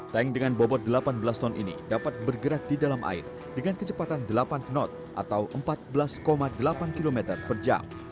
tank dengan bobot delapan belas ton ini dapat bergerak di dalam air dengan kecepatan delapan knot atau empat belas delapan km per jam